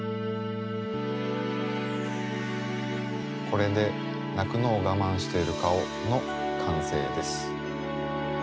これでなくのをがまんしているかおのかんせいです。